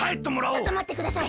ちょっとまってください。